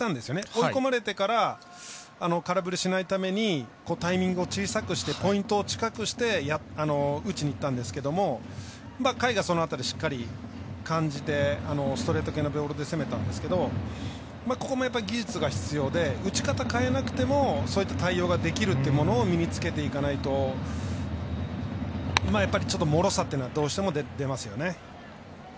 追い込まれてから空振りしないためにタイミングを小さくしてポイントを近くにして打ちにいったんですが甲斐がその辺りしっかり感じてストレート系のボールで攻めたんですけどここもやっぱり技術が必要で打ち方変えなくても、そうやって対応ができるということを身につけていかないと、ちょっともろさっていうのはどうしても出ますよね。